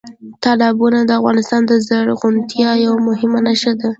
تالابونه د افغانستان د زرغونتیا یوه مهمه نښه ده.